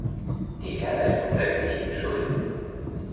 Die Herleitung bleibe ich Ihnen schuldig.